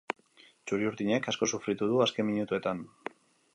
Txuri-urdinek asko sufritu du azken minutuetan.